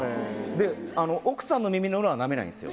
奥さんの耳の裏はなめないんですよ。